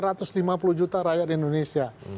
satu diantara dua ratus lima puluh juta rakyat indonesia